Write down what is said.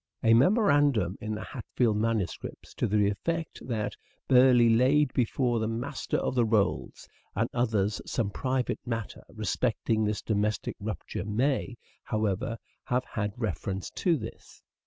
A memoran dum in the Hatfield manuscripts to the effect that Burleigh laid before the Master of the Rolls and others some private matter respecting this domestic rupture may, however, have had reference to this.